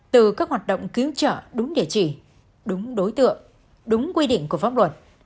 từ các hoạt động cứu trợ đúng địa chỉ đúng đối tượng đúng quy định của pháp luật